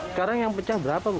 sekarang yang pecah berapa bu